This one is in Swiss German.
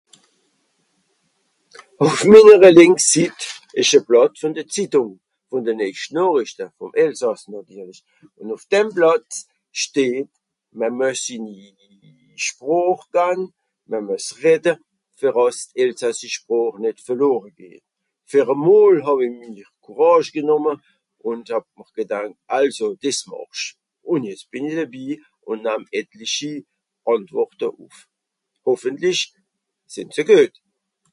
"Ùff minnere lìnks Sitt ìsch e Blàtt vùn de Zittung vùn de letscht Nochrichte, vùm Elsàss nàtirlisch. Ùn ùff dem Blàtt steht, mr mües sinni Sproch gan, mr mües s'redde, fer àss d'elsassisch Sproch nìt verlore geht. Fer emol hàw-i minner courage genùmme ùnd hàb m'r gedankt ""Also dìs màch ìch"". Ùn jetz bìn i debi ùn namm étlichi Àntworte ùff. Hoffentlich, sìnn se guet !"